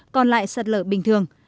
còn lại sạt lở bình thường